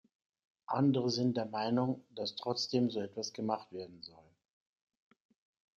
Andere sind der Meinung, dass trotzdem so etwas gemacht werden soll.